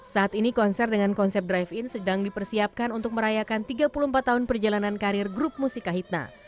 saat ini konser dengan konsep drive in sedang dipersiapkan untuk merayakan tiga puluh empat tahun perjalanan karir grup musika hitna